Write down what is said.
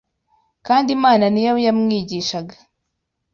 kandi Imana ni yo yamwigishaga.